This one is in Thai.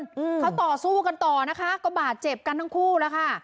อืมเขาต่อสู้กันต่อนะคะก็บาดเจ็บกันทั้งคู่แล้วค่ะ